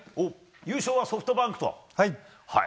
優勝はソフトバンクと？